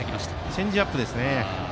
チェンジアップですね。